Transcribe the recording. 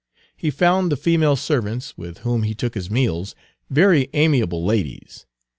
He found the female servants, with whom he took his meals, very amiable ladies.